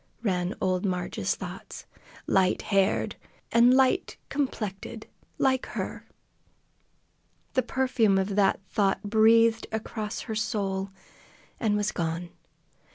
ran old Marg's thoughts. "Light haired, an' light complected, like her!" The perfume of that thought breathed across her soul, and was gone.